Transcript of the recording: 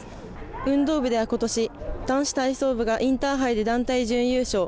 運動部では今年、男子体操部がインターハイで団体準優勝。